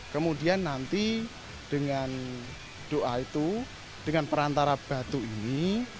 kemudian nanti dengan doa itu dengan perantara batu ini